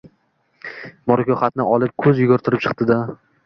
Moriko xatni, olib, kuz yugurtirib chikdi-da: